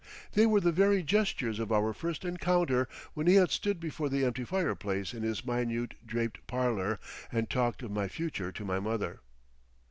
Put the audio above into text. They were the very gestures of our first encounter when he had stood before the empty fireplace in his minute draped parlour and talked of my future to my mother.